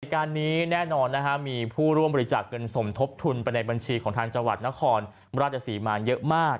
การนี้แน่นอนนะฮะมีผู้ร่วมบริจาคเงินสมทบทุนไปในบัญชีของทางจังหวัดนครราชสีมาเยอะมาก